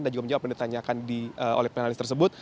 dan juga menjawab pertanyaan oleh panelis tersebut